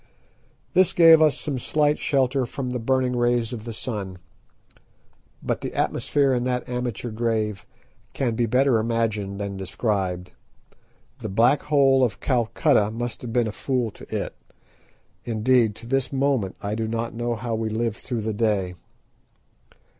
This gave us some slight shelter from the burning rays of the sun, but the atmosphere in that amateur grave can be better imagined than described. The Black Hole of Calcutta must have been a fool to it; indeed, to this moment I do not know how we lived through the day.